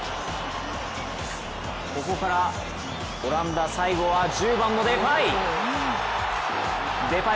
ここからオランダ最後は１０番のデパイ。